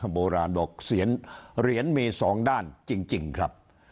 โบราณบอกเหรียญมีสองด้านจริงครับ